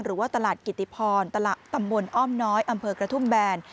หรือว่าตลาดกิติพรตลาดตำบลอ้อมน้อยอำเภอกระทุ่มแบน